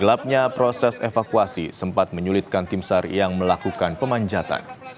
gelapnya proses evakuasi sempat menyulitkan tim sar yang melakukan pemanjatan